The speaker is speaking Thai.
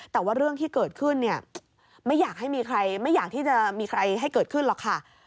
แต่ว่าเรื่องที่เกิดขึ้นเนี่ยไม่อยากให้มีใครไม่อยากที่จะมีใครให้เกิดขึ้นหรอกค่ะ